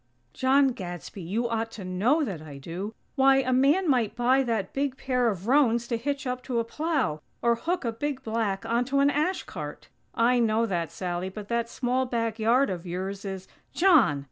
"John Gadsby, you ought to know that I do. Why! A man might buy that big pair of roans to hitch up to a plow! Or hook a big black onto an ash cart!" "I know that, Sally, but that small back yard of yours is " "_John!!